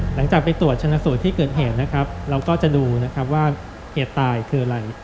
หลังจากไปตรวจชะนสูตรที่เกิดเหตุเราก็จะดูว่าเหตุตายคืออะไร